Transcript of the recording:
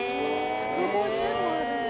１５０もあるんだ。